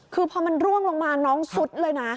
คือพอมันร่วงลงมาน้องสุดเลยนะ